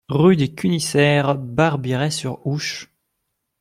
Rue des Cunisseres, Barbirey-sur-Ouche